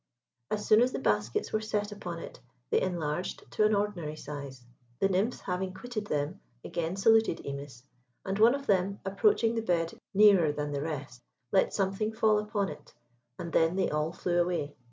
As soon as the baskets were set upon it, they enlarged to an ordinary size. The nymphs having quitted them, again saluted Imis, and one of them, approaching the bed nearer than the rest, let something fall upon it, and then they all flew away.